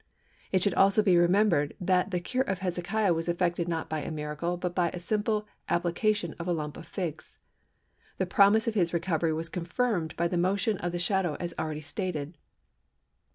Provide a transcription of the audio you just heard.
It should also be remembered that the cure of Hezekiah was effected not by a miracle but by a simple application of a lump of figs. The promise of his recovery was confirmed by the motion of the shadow as already stated.